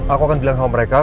aku akan bilang sama mereka